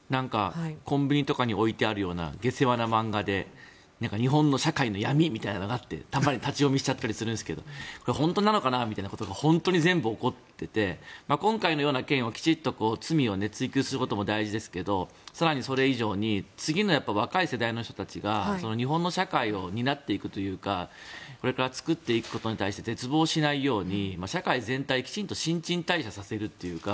コンビニとかに置いてあるような下世話な漫画で日本の社会の闇みたいなのがあってたまに立ち読みしちゃったりするんですが本当なのかなみたいなことが本当に全部起こっていて今回のような件を全部きちんと罪を追及することも大事ですけど更に、それ以上に次の若い世代の人たちが日本の社会を担っていくというかこれから作っていくことに対して絶望しないように社会全体、きちんと新陳代謝させるというか